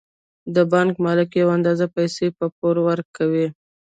د بانک مالک یوه اندازه پیسې په پور ورکوي